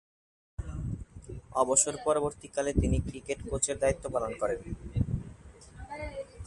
অবসর-পরবর্তীকালে তিনি ক্রিকেট কোচের দায়িত্ব পালন করেন।